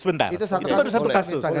sebentar itu baru satu kasus